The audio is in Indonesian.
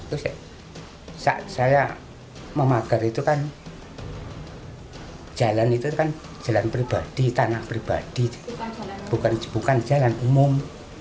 jalan itu kan jalan pribadi tanah pribadi bukan jalan umum